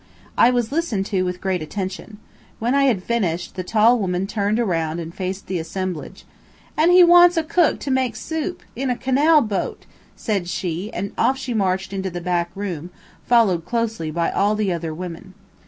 I was listened to with great attention. When I had finished, the tall woman turned around and faced the assemblage. "An' he wants a cook to make soup! In a canal boat!" said she, and off she marched into the back room, followed closely by all the other women.